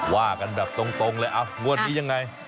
ว่ากันแบบตรงเลยงวดนี้ยังไง